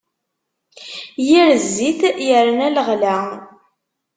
Yir zzit, yerna leɣla.